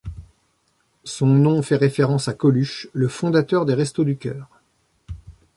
Son nom fait référence à Coluche, le fondateur des Restos du Cœur.